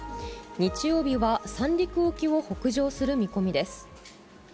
日曜日は三陸沖を北上する見込みです。